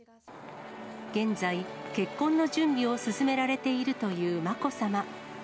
現在、結婚の準備を進められているというまこさま。